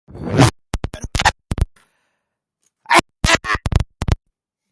裏切ったのはあいつだ